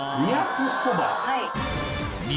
はい。